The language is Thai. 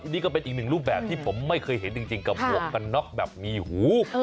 นี่ก็เป็นอีกหนึ่งรูปแบบที่ผมไม่เคยเห็นจริงกับหมวกกันน็อกแบบมีหู